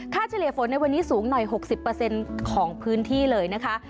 เฉลี่ยฝนในวันนี้สูงหน่อย๖๐ของพื้นที่เลยนะคะ